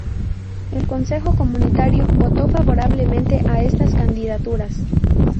El Consejo comunitario votó favorablemente a estas candidaturas.